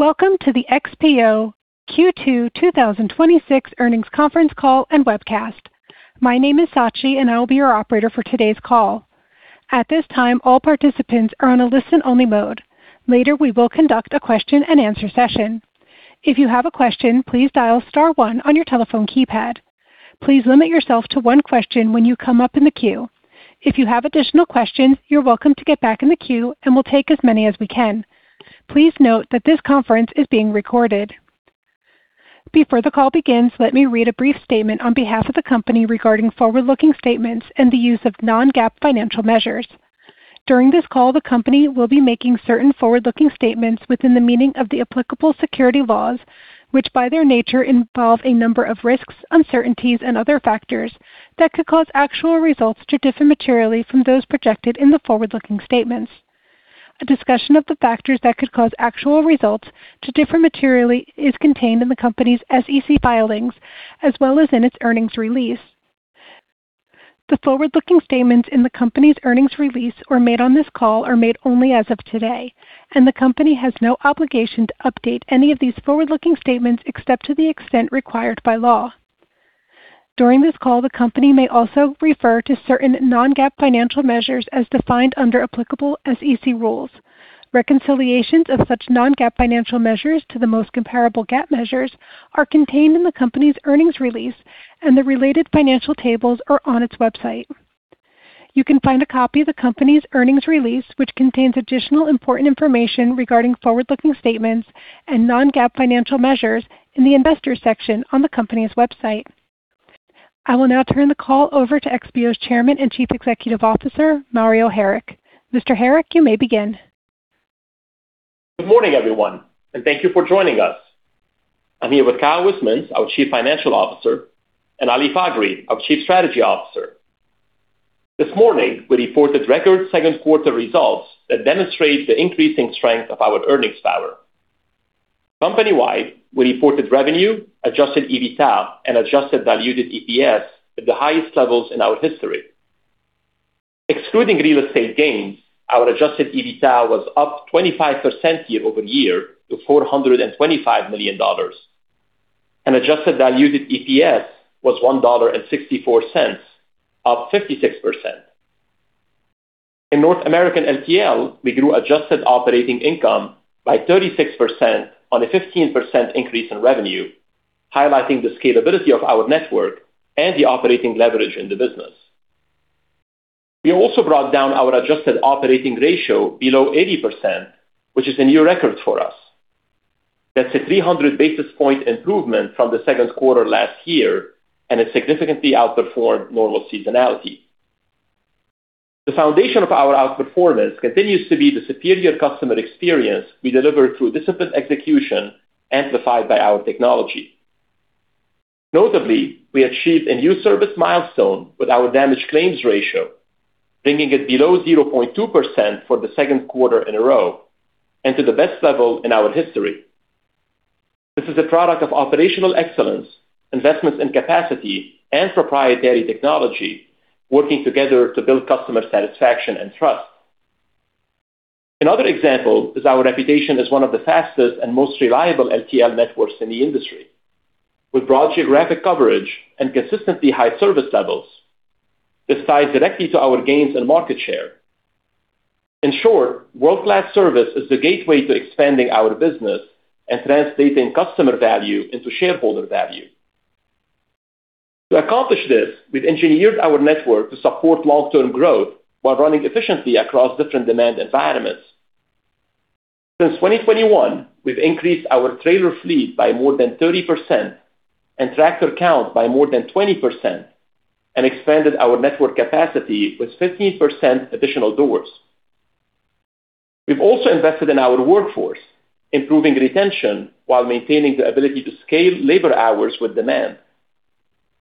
Welcome to the XPO Q2 2026 earnings conference call and webcast. My name is Sachi, I will be your operator for today's call. At this time, all participants are on a listen-only mode. Later, we will conduct a question and answer session. If you have a question, please dial star one on your telephone keypad. Please limit yourself to one question when you come up in the queue. If you have additional questions, you're welcome to get back in the queue, we'll take as many as we can. Please note that this conference is being recorded. Before the call begins, let me read a brief statement on behalf of the company regarding forward-looking statements and the use of non-GAAP financial measures. During this call, the company will be making certain forward-looking statements within the meaning of the applicable security laws, which by their nature, involve a number of risks, uncertainties, and other factors that could cause actual results to differ materially from those projected in the forward-looking statements. A discussion of the factors that could cause actual results to differ materially is contained in the company's SEC filings, as well as in its earnings release. The forward-looking statements in the company's earnings release or made on this call are made only as of today, the company has no obligation to update any of these forward-looking statements except to the extent required by law. During this call, the company may also refer to certain non-GAAP financial measures as defined under applicable SEC rules. Reconciliations of such non-GAAP financial measures to the most comparable GAAP measures are contained in the company's earnings release, the related financial tables are on its website. You can find a copy of the company's earnings release, which contains additional important information regarding forward-looking statements and non-GAAP financial measures, in the Investors section on the company's website. I will now turn the call over to XPO's Chairman and Chief Executive Officer, Mario Harik. Mr. Harik, you may begin. Good morning, everyone, thank you for joining us. I'm here with Kyle Wismans, our Chief Financial Officer, Ali Faghri, our Chief Strategy Officer. This morning, we reported record second quarter results that demonstrate the increasing strength of our earnings power. Company-wide, we reported revenue, adjusted EBITDA, adjusted diluted EPS at the highest levels in our history. Excluding real estate gains, our adjusted EBITDA was up 25% year-over-year to $425 million, adjusted diluted EPS was $1.64, up 56%. In North American LTL, we grew adjusted operating income by 36% on a 15% increase in revenue, highlighting the scalability of our network the operating leverage in the business. We also brought down our adjusted operating ratio below 80%, which is a new record for us. That's a 300-basis point improvement from the second quarter last year has significantly outperformed normal seasonality. The foundation of our outperformance continues to be the superior customer experience we deliver through disciplined execution, amplified by our technology. Notably, we achieved a new service milestone with our damage claims ratio, bringing it below 0.2% for the second quarter in a row and to the best level in our history. This is a product of operational excellence, investments in capacity, and proprietary technology working together to build customer satisfaction and trust. Another example is our reputation as one of the fastest and most reliable LTL networks in the industry. With broad geographic coverage and consistently high service levels, this ties directly to our gains in market share. In short, world-class service is the gateway to expanding our business and translating customer value into shareholder value. To accomplish this, we've engineered our network to support long-term growth while running efficiently across different demand environments. Since 2021, we've increased our trailer fleet by more than 30% and tractor count by more than 20% and expanded our network capacity with 15% additional doors. We've also invested in our workforce, improving retention while maintaining the ability to scale labor hours with demand.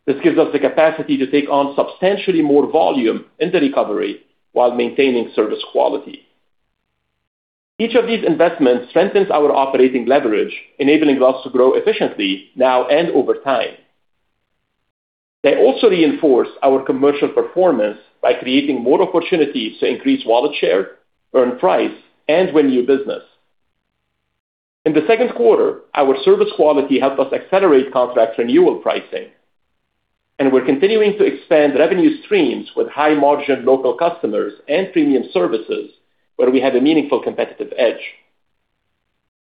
This gives us the capacity to take on substantially more volume in the recovery while maintaining service quality. Each of these investments strengthens our operating leverage, enabling us to grow efficiently now and over time. They also reinforce our commercial performance by creating more opportunities to increase wallet share, earn price, and win new business. In the second quarter, our service quality helped us accelerate contract renewal pricing, and we're continuing to expand revenue streams with high-margin local customers and premium services where we have a meaningful competitive edge.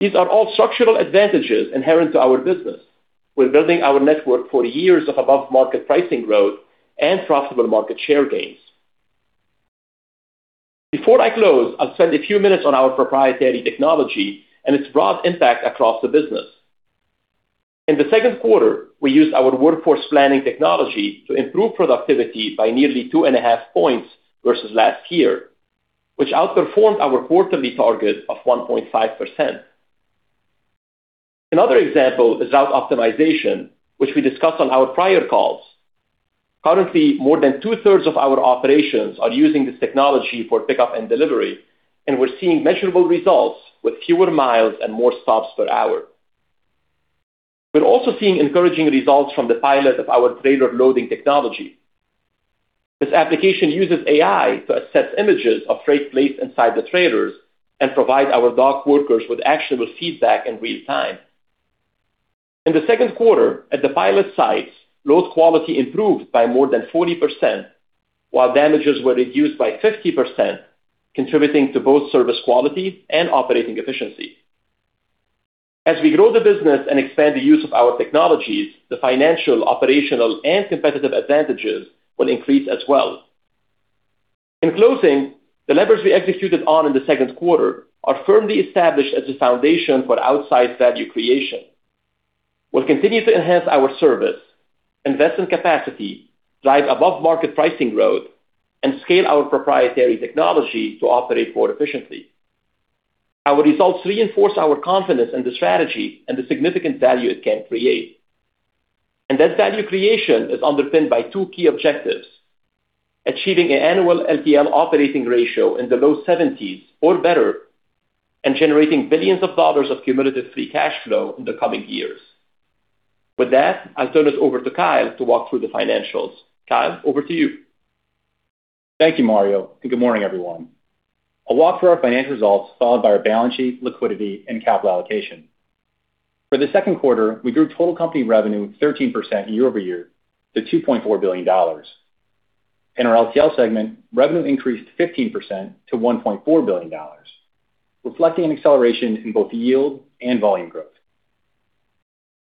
These are all structural advantages inherent to our business. We're building our network for years of above-market pricing growth and profitable market share gains. Before I close, I'll spend a few minutes on our proprietary technology and its broad impact across the business. In the second quarter, we used our workforce planning technology to improve productivity by nearly 2.5 points versus last year, which outperformed our quarterly target of 1.5%. Another example is route optimization, which we discussed on our prior calls. Currently, more than 2/3 of our operations are using this technology for pickup and delivery, and we're seeing measurable results with fewer miles and more stops per hour. We're also seeing encouraging results from the pilot of our trailer loading technology. This application uses AI to assess images of freight placed inside the trailers and provide our dock workers with actionable feedback in real time. In the second quarter, at the pilot sites, load quality improved by more than 40%, while damages were reduced by 50%, contributing to both service quality and operating efficiency. As we grow the business and expand the use of our technologies, the financial, operational, and competitive advantages will increase as well. In closing, the levers we executed on in the second quarter are firmly established as the foundation for outsized value creation. We'll continue to enhance our service, invest in capacity, drive above-market pricing growth, and scale our proprietary technology to operate more efficiently. Our results reinforce our confidence in the strategy and the significant value it can create. That value creation is underpinned by two key objectives: achieving an annual LTL operating ratio in the low 70s or better, and generating billions of dollars of cumulative free cash flow in the coming years. With that, I'll turn it over to Kyle to walk through the financials. Kyle, over to you. Thank you, Mario, and good morning, everyone. I'll walk through our financial results, followed by our balance sheet, liquidity, and capital allocation. For the second quarter, we grew total company revenue 13% year-over-year to $2.4 billion. In our LTL segment, revenue increased 15% to $1.4 billion, reflecting an acceleration in both yield and volume growth.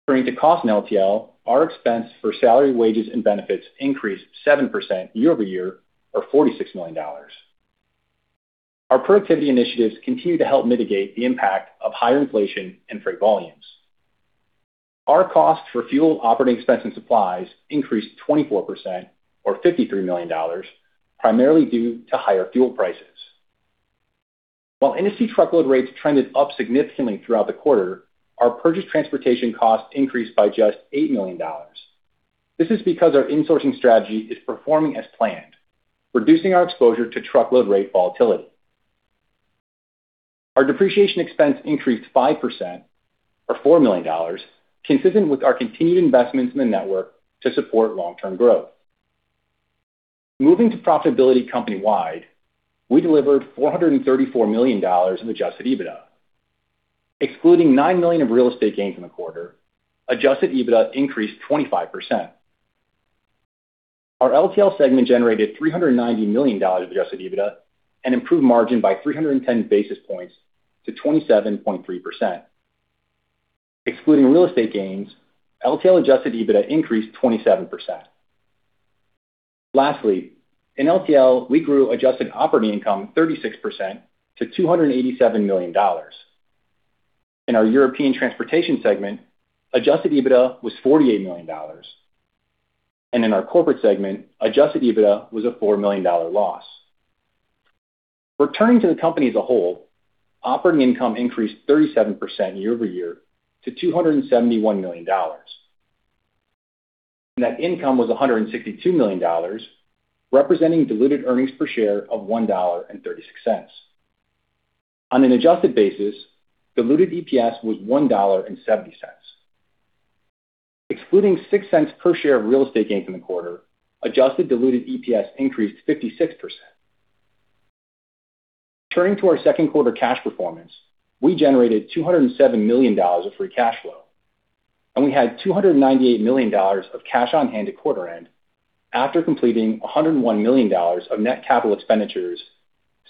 Turning to cost in LTL, our expense for salary, wages, and benefits increased 7% year-over-year, or $46 million. Our productivity initiatives continue to help mitigate the impact of higher inflation and freight volumes. Our cost for fuel, operating expense, and supplies increased 24%, or $53 million, primarily due to higher fuel prices. While industry truckload rates trended up significantly throughout the quarter, our purchased transportation costs increased by just $8 million. This is because our in-sourcing strategy is performing as planned, reducing our exposure to truckload rate volatility. Our depreciation expense increased 5%, or $4 million, consistent with our continued investments in the network to support long-term growth. Moving to profitability company-wide, we delivered $434 million in adjusted EBITDA. Excluding $9 million of real estate gains in the quarter, adjusted EBITDA increased 25%. Our LTL segment generated $390 million of adjusted EBITDA, an improved margin by 310 basis points to 27.3%. Excluding real estate gains, LTL adjusted EBITDA increased 27%. Lastly, in LTL, we grew adjusted operating income 36% to $287 million. In our European Transportation segment, adjusted EBITDA was $48 million, and in our corporate segment, adjusted EBITDA was a $4 million loss. Returning to the company as a whole, operating income increased 37% year-over-year to $271 million. Net income was $162 million, representing diluted earnings per share of $1.36. On an adjusted basis, diluted EPS was $1.70. Excluding $0.06 per share of real estate gains in the quarter, adjusted diluted EPS increased 56%. Turning to our second quarter cash performance, we generated $207 million of free cash flow, and we had $298 million of cash on hand at quarter end after completing $101 million of net capital expenditures,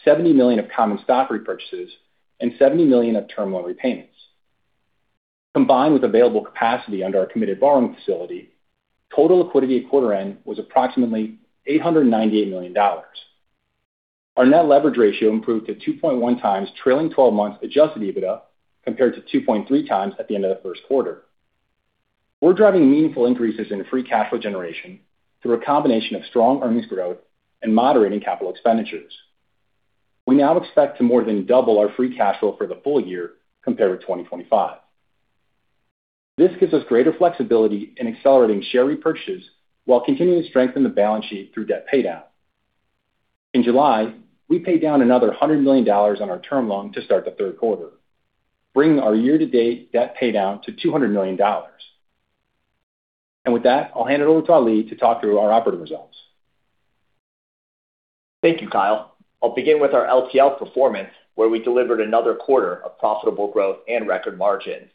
$70 million of common stock repurchases, and $70 million of term loan repayments. Combined with available capacity under our committed borrowing facility, total liquidity at quarter end was approximately $898 million. Our net leverage ratio improved to 2.1x trailing 12 months adjusted EBITDA, compared to 2.3x at the end of the first quarter. We're driving meaningful increases in free cash flow generation through a combination of strong earnings growth and moderating capital expenditures. We now expect to more than double our free cash flow for the full year compared with 2025. This gives us greater flexibility in accelerating share repurchases while continuing to strengthen the balance sheet through debt paydown. In July, we paid down another $100 million on our term loan to start the third quarter, bringing our year-to-date debt paydown to $200 million. With that, I'll hand it over to Ali to talk through our operating results. Thank you, Kyle. I'll begin with our LTL performance, where we delivered another quarter of profitable growth and record margins.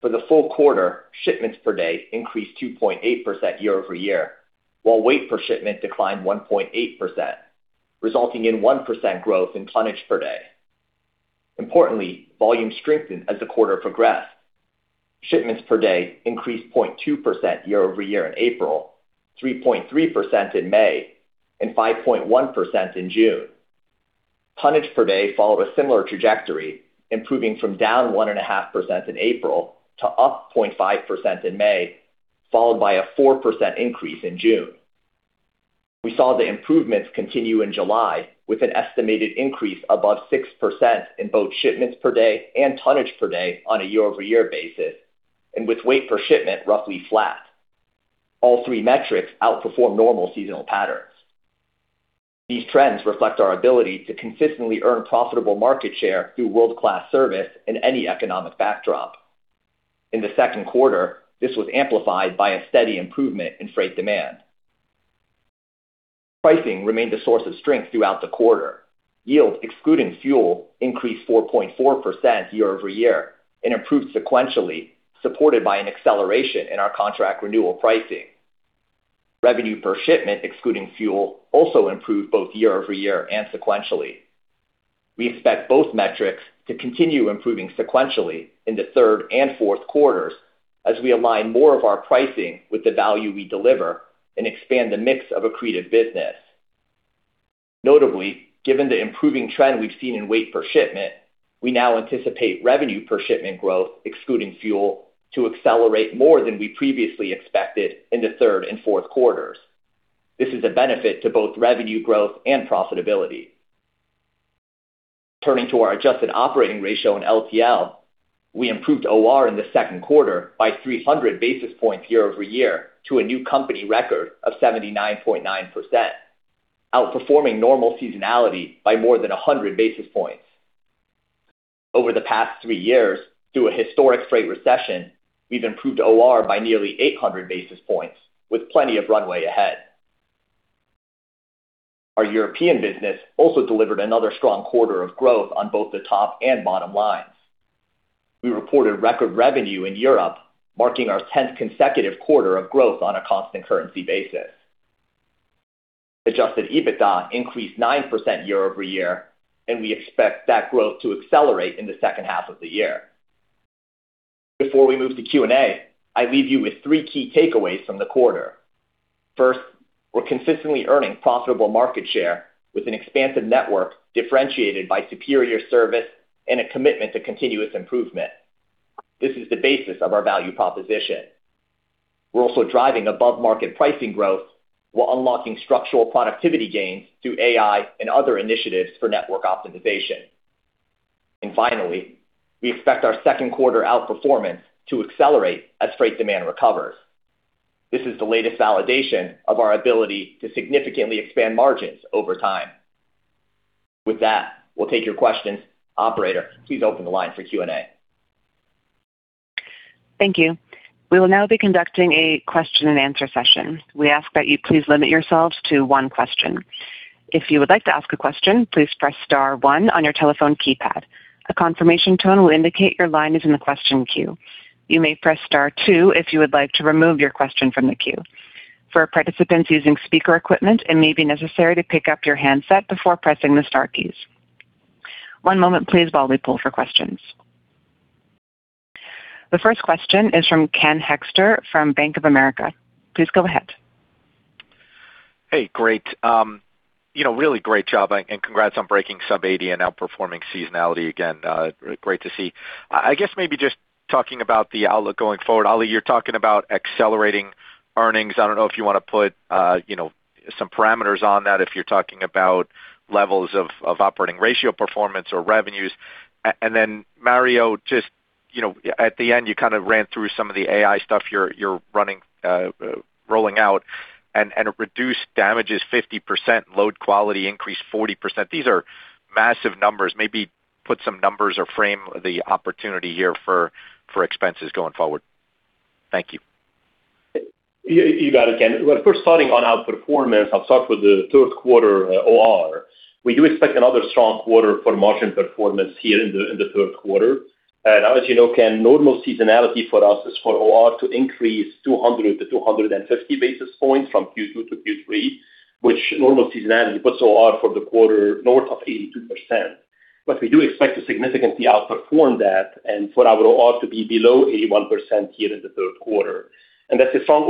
For the full quarter, shipments per day increased 2.8% year-over-year, while weight per shipment declined 1.8%, resulting in 1% growth in tonnage per day. Importantly, volume strengthened as the quarter progressed. Shipments per day increased 0.2% year-over-year in April, 3.3% in May, and 5.1% in June. Tonnage per day followed a similar trajectory, improving from down 1.5% in April to up 0.5% in May, followed by a 4% increase in June. We saw the improvements continue in July with an estimated increase above 6% in both shipments per day and tonnage per day on a year-over-year basis, and with weight per shipment roughly flat. All three metrics outperformed normal seasonal patterns. These trends reflect our ability to consistently earn profitable market share through world-class service in any economic backdrop. In the second quarter, this was amplified by a steady improvement in freight demand. Pricing remained a source of strength throughout the quarter. Yields excluding fuel increased 4.4% year-over-year and improved sequentially, supported by an acceleration in our contract renewal pricing. Revenue per shipment, excluding fuel, also improved both year-over-year and sequentially. We expect both metrics to continue improving sequentially in the third and fourth quarters as we align more of our pricing with the value we deliver and expand the mix of accretive business. Notably, given the improving trend we've seen in weight per shipment, we now anticipate revenue per shipment growth, excluding fuel, to accelerate more than we previously expected in the third and fourth quarters. This is a benefit to both revenue growth and profitability. Turning to our adjusted operating ratio in LTL, we improved OR in the second quarter by 300 basis points year-over-year to a new company record of 79.9%, outperforming normal seasonality by more than 100 basis points. Over the past three years, through a historic freight recession, we've improved OR by nearly 800 basis points, with plenty of runway ahead. Our European business also delivered another strong quarter of growth on both the top and bottom lines. We reported record revenue in Europe, marking our 10th consecutive quarter of growth on a constant currency basis. Adjusted EBITDA increased 9% year-over-year, and we expect that growth to accelerate in the second half of the year. Before we move to Q&A, I leave you with three key takeaways from the quarter. First, we're consistently earning profitable market share with an expansive network differentiated by superior service and a commitment to continuous improvement. This is the basis of our value proposition. We're also driving above market pricing growth while unlocking structural productivity gains through AI and other initiatives for network optimization. Finally, we expect our second quarter outperformance to accelerate as freight demand recovers. This is the latest validation of our ability to significantly expand margins over time. With that, we'll take your questions. Operator, please open the line for Q&A. Thank you. We will now be conducting a question and answer session. We ask that you please limit yourselves to one question. If you would like to ask a question, please press star one on your telephone keypad. A confirmation tone will indicate your line is in the question queue. You may press star two if you would like to remove your question from the queue. For participants using speaker equipment, it may be necessary to pick up your handset before pressing the star keys. One moment please while we pull for questions. The first question is from Ken Hoexter from Bank of America. Please go ahead. Hey, great. Really great job and congrats on breaking sub-80 and outperforming seasonality again. Great to see. I guess maybe just talking about the outlook going forward, Ali, you're talking about accelerating earnings. I don't know if you want to put some parameters on that, if you're talking about levels of operating ratio performance or revenues. Then Mario, just at the end, you kind of ran through some of the AI stuff you're rolling out and reduced damages 50%, load quality increased 40%. These are massive numbers. Maybe put some numbers or frame the opportunity here for expenses going forward. Thank you. You got it, Ken. Well, first starting on outperformance, I'll start with the third quarter OR. We do expect another strong quarter for margin performance here in the third quarter. As you know, Ken, normal seasonality for us is for OR to increase 200-250 basis points from Q2 to Q3, which normal seasonality puts OR for the quarter north of 82%. We do expect to significantly outperform that and for our OR to be below 81% here in the third quarter. That's a strong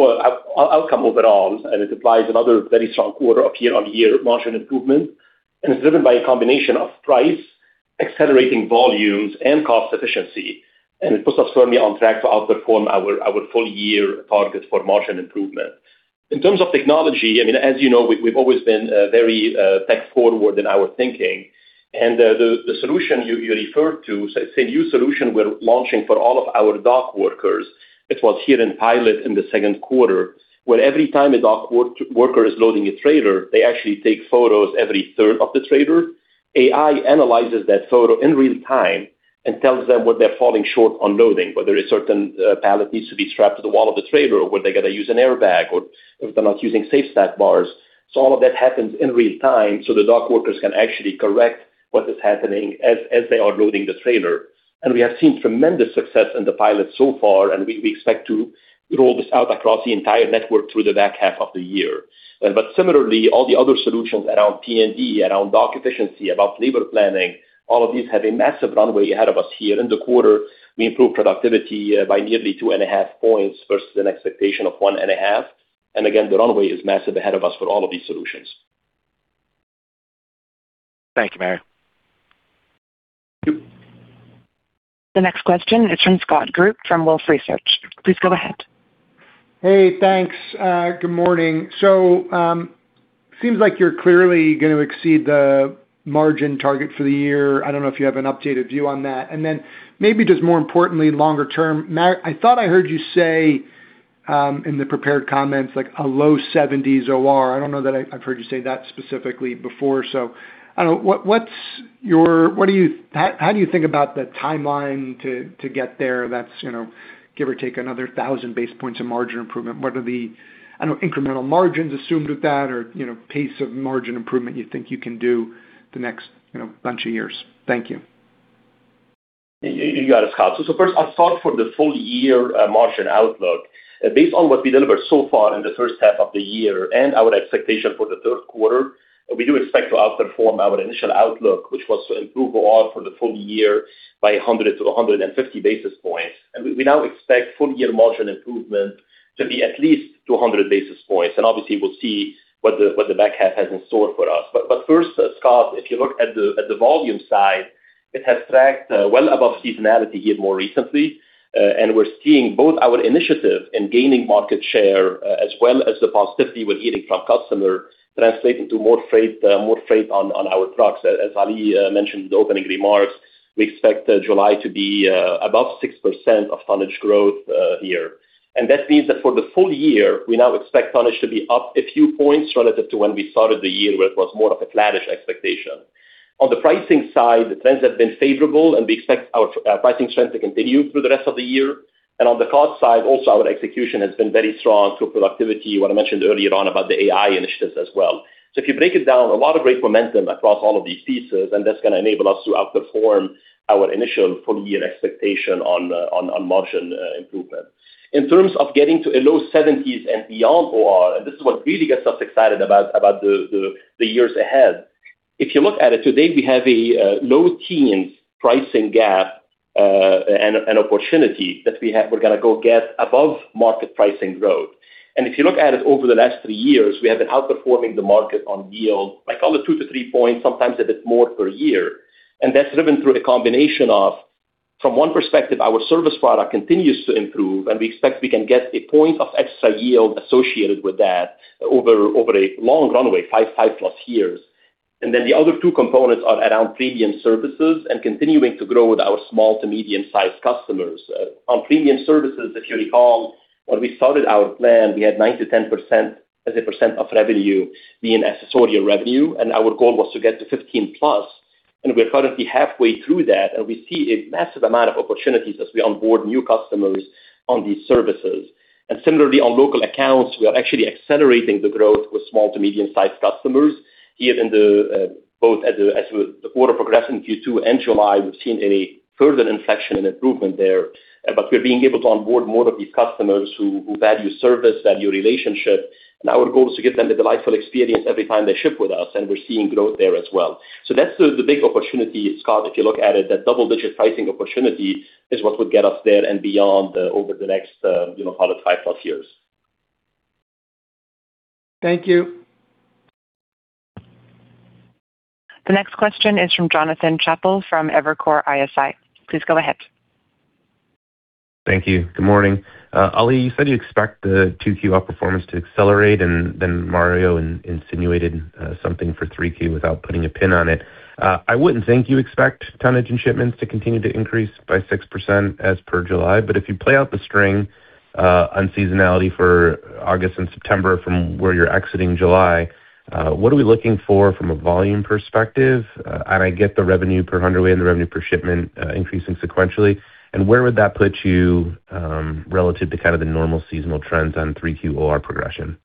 outcome overall, it implies another very strong quarter of year-over-year margin improvement, it's driven by a combination of price, accelerating volumes, and cost efficiency. It puts us firmly on track to outperform our full year target for margin improvement. In terms of technology, as you know, we've always been very tech forward in our thinking. The solution you referred to, it's a new solution we're launching for all of our dock workers. It was here in pilot in the second quarter, where every time a dock worker is loading a trailer, they actually take photos every third of the trailer. AI analyzes that photo in real time and tells them what they're falling short on loading, whether a certain pallet needs to be strapped to the wall of the trailer, or whether they got to use an airbag, or if they're not using safe stack bars. All of that happens in real time, so the dock workers can actually correct what is happening as they are loading the trailer. We have seen tremendous success in the pilot so far, and we expect to roll this out across the entire network through the back half of the year. Similarly, all the other solutions around P&D, around dock efficiency, about labor planning, all of these have a massive runway ahead of us here. In the quarter, we improved productivity by nearly 2.5 points versus an expectation of 1.5. Again, the runway is massive ahead of us for all of these solutions. Thank you, Mario. Thank you. The next question is from Scott Group from Wolfe Research. Please go ahead. Hey, thanks. Good morning. Seems like you're clearly going to exceed the margin target for the year. I don't know if you have an updated view on that. Maybe just more importantly, longer term, Mario, I thought I heard you say in the prepared comments, like a low 70s OR. I don't know that I've heard you say that specifically before. How do you think about the timeline to get there? That's give or take another 1,000 basis points of margin improvement. What are the incremental margins assumed with that or pace of margin improvement you think you can do the next bunch of years? Thank you. You got it, Scott. First, I thought for the full year, margin outlook, based on what we delivered so far in the first half of the year and our expectation for the third quarter, we do expect to outperform our initial outlook, which was to improve OR for the full year by 100-150 basis points. We now expect full year margin improvement to be at least 200 basis points. Obviously, we'll see what the back half has in store for us. First, Scott, if you look at the volume side, it has tracked well above seasonality here more recently, and we're seeing both our initiative in gaining market share as well as the positivity we're getting from customer translating to more freight on our trucks. As Ali mentioned in the opening remarks, we expect July to be above 6% of tonnage growth here. That means that for the full year, we now expect tonnage to be up a few points relative to when we started the year, where it was more of a flattish expectation. On the pricing side, the trends have been favorable, and we expect our pricing trend to continue through the rest of the year. On the cost side, also our execution has been very strong through productivity, what I mentioned earlier on about the AI initiatives as well. If you break it down, a lot of great momentum across all of these pieces, and that's going to enable us to outperform our initial full year expectation on margin improvement. In terms of getting to a low seventies and beyond OR, and this is what really gets us excited about the years ahead. If you look at it today, we have a low-teens pricing gap, opportunity that we're going to go get above market pricing growth. If you look at it over the last three years, we have been outperforming the market on yield by call it two to three points, sometimes a bit more per year. That's driven through the combination of, from one perspective, our service product continues to improve, and we expect we can get a point of extra yield associated with that over a long runway, 5+ years. Then the other two components are around premium services and continuing to grow with our small-to-medium-sized customers. On premium services, if you recall, when we started our plan, we had 9%-10% as a percent of revenue being accessory revenue, and our goal was to get to 15%+. We are currently halfway through that, and we see a massive amount of opportunities as we onboard new customers on these services. Similarly, on local accounts, we are actually accelerating the growth with small-to-medium-sized customers here both as the quarter progressing Q2 and July, we've seen a further inflection and improvement there. We're being able to onboard more of these customers who value service, value relationship. Our goal is to give them the delightful experience every time they ship with us, and we're seeing growth there as well. That's the big opportunity, Scott, if you look at it, that double-digit pricing opportunity is what would get us there and beyond over the next call it 5+ years. Thank you. The next question is from Jonathan Chappell from Evercore ISI. Please go ahead. Thank you. Good morning. Ali, you said you expect the 2Q outperformance to accelerate. Mario insinuated something for 3Q without putting a pin on it. I wouldn't think you expect tonnage and shipments to continue to increase by 6% as per July. If you play out the string on seasonality for August and September from where you're exiting July, what are we looking for from a volume perspective? I get the revenue per hundredweight and the revenue per shipment increasing sequentially. Where would that put you, relative to kind of the normal seasonal trends on 3Q OR progression?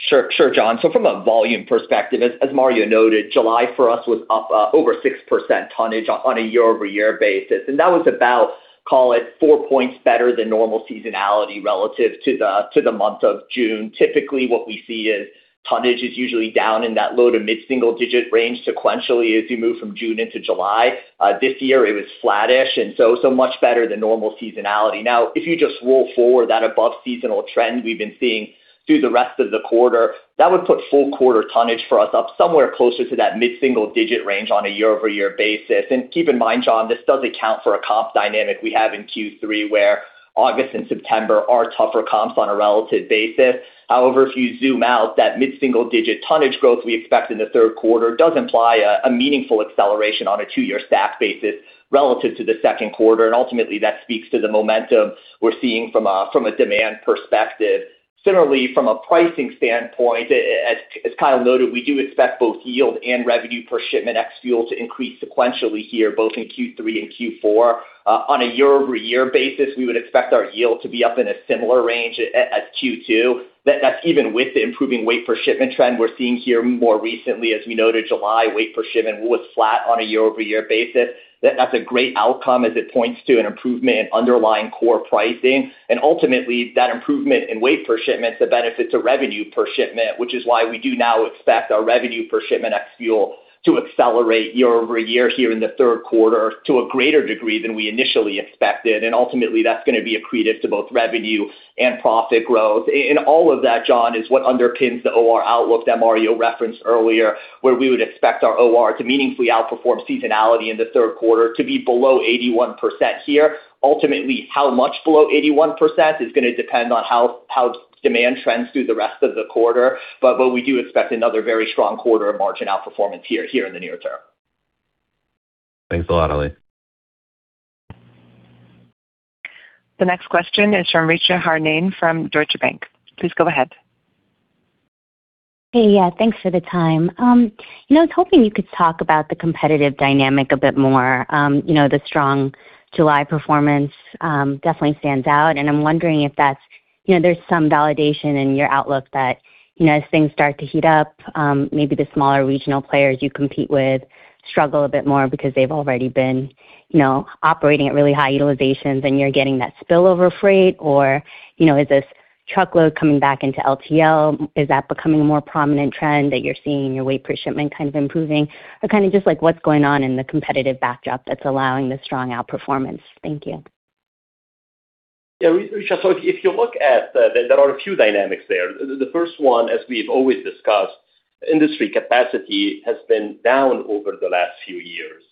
Sure, Jon. From a volume perspective, as Mario noted, July for us was up over 6% tonnage on a year-over-year basis. That was about, call it four points better than normal seasonality relative to the month of June. Typically, what we see is tonnage is usually down in that low to mid-single digit range sequentially as you move from June into July. This year it was flattish, much better than normal seasonality. If you just roll forward that above seasonal trend we've been seeing through the rest of the quarter, that would put full quarter tonnage for us up somewhere closer to that mid-single digit range on a year-over-year basis. Keep in mind, Jon, this does account for a comp dynamic we have in Q3, where August and September are tougher comps on a relative basis. If you zoom out, that mid-single digit tonnage growth we expect in the third quarter does imply a meaningful acceleration on a two-year stack basis relative to the second quarter. Ultimately, that speaks to the momentum we're seeing from a demand perspective. Similarly, from a pricing standpoint, as Kyle noted, we do expect both yield and revenue per shipment ex-fuel to increase sequentially here, both in Q3 and Q4. On a year-over-year basis, we would expect our yield to be up in a similar range as Q2. That's even with the improving weight per shipment trend we're seeing here more recently. As we noted July, weight per shipment was flat on a year-over-year basis. That's a great outcome as it points to an improvement in underlying core pricing. Ultimately, that improvement in weight per shipment, the benefits of revenue per shipment, which is why we do now expect our revenue per shipment ex-fuel to accelerate year-over-year here in the third quarter to a greater degree than we initially expected. Ultimately, that's going to be accretive to both revenue and profit growth. In all of that, Jon, is what underpins the OR outlook that Mario referenced earlier, where we would expect our OR to meaningfully outperform seasonality in the third quarter to be below 81% here. Ultimately, how much below 81% is going to depend on how demand trends through the rest of the quarter. We do expect another very strong quarter of margin outperformance here in the near term. Thanks a lot, Ali. The next question is from Richa Harnain from Deutsche Bank. Please go ahead. Hey, yeah, thanks for the time. I was hoping you could talk about the competitive dynamic a bit more. The strong July performance definitely stands out, and I'm wondering if there's some validation in your outlook that as things start to heat up, maybe the smaller regional players you compete with struggle a bit more because they've already been operating at really high utilizations and you're getting that spillover freight, or is this truckload coming back into LTL? Is that becoming a more prominent trend that you're seeing in your weight per shipment kind of improving? Kind of just like what's going on in the competitive backdrop that's allowing the strong outperformance? Thank you. Yeah, Richa. If you look at that, there are a few dynamics there. The first one, as we've always discussed, industry capacity has been down over the last few years,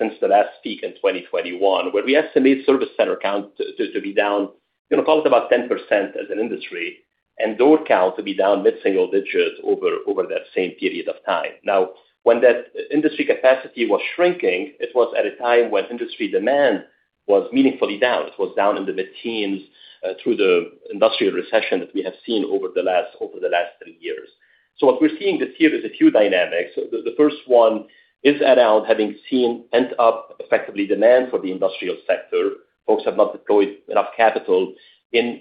since the last peak in 2021, where we estimate service center count to be down probably about 10% as an industry, and door count to be down mid-single digits over that same period of time. Now, when that industry capacity was shrinking, it was at a time when industry demand was meaningfully down. It was down in the mid-teens through the industrial recession that we have seen over the last three years. What we're seeing this year is a few dynamics. The first one is around having seen pent-up effectively demand for the industrial sector. Folks have not deployed enough capital in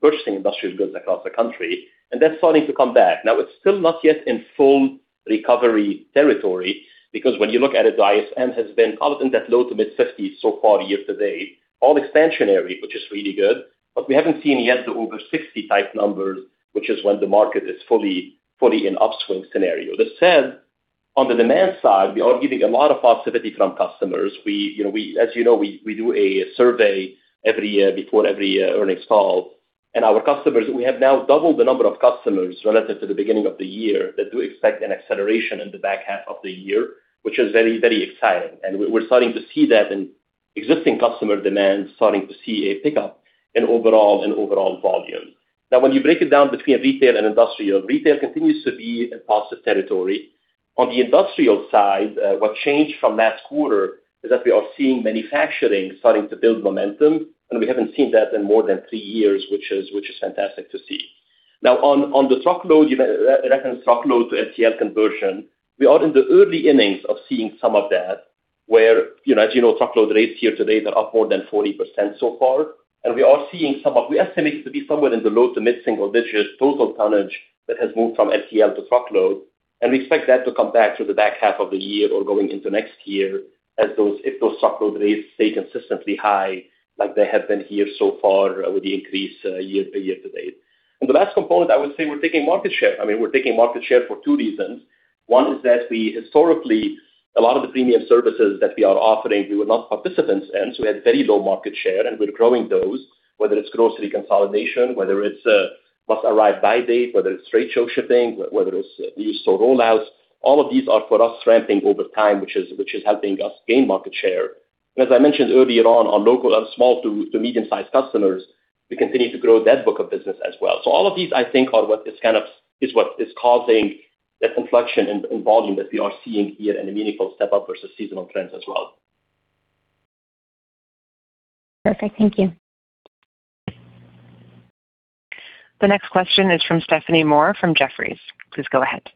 purchasing industrial goods across the country, and that's starting to come back. It's still not yet in full recovery territory because when you look at it, ISM has been up in that low to mid-50s so far year-to-date. All expansionary, which is really good, but we haven't seen yet the over 60 type numbers, which is when the market is fully in upswing scenario. That said, on the demand side, we are getting a lot of positivity from customers. As you know, we do a survey every year before every earnings call. Our customers, we have now doubled the number of customers relative to the beginning of the year that do expect an acceleration in the back half of the year, which is very exciting. We're starting to see that in existing customer demand, starting to see a pickup in overall volume. When you break it down between retail and industrial, retail continues to be in positive territory. On the industrial side, what changed from last quarter is that we are seeing manufacturing starting to build momentum, we haven't seen that in more than three years, which is fantastic to see. On the truckload, you referenced truckload to LTL conversion. We are in the early innings of seeing some of that where, as you know, truckload rates here today are up more than 40% so far. We estimate it to be somewhere in the low to mid-single digits total tonnage that has moved from LTL to truckload. We expect that to come back through the back half of the year or going into next year if those truckload rates stay consistently high like they have been here so far with the increase year-to-date. The last component, I would say we're taking market share. We're taking market share for two reasons. One is that we historically, a lot of the premium services that we are offering, we were not participants in. We had very low market share, we're growing those, whether it's grocery consolidation, whether it's must-arrive-by date, whether it's trade show shipping, whether it's these store rollouts. All of these are for us, ramping over time, which is helping us gain market share. As I mentioned earlier on our local, our small to medium-sized customers, we continue to grow that book of business as well. All of these, I think, is what is causing the inflection in volume that we are seeing here and a meaningful step-up versus seasonal trends as well. Perfect. Thank you. The next question is from Stephanie Moore from Jefferies. Please go ahead.